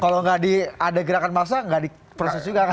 kalau nggak ada gerakan masa nggak diproses juga